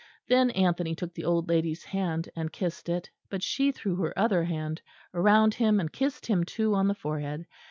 Then Anthony took the old lady's hand and kissed it, but she threw her other hand round him and kissed him too on the forehead.